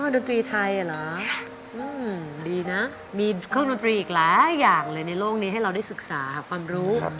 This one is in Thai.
ดนตรีไทยเหรอดีนะมีเครื่องดนตรีอีกหลายอย่างเลยในโลกนี้ให้เราได้ศึกษาความรู้